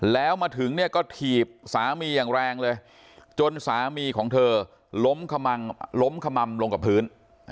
แล้วมาถึงเนี่ยก็ถีบสามีอย่างแรงเลยจนสามีของเธอล้มล้มขม่ำลงกับพื้น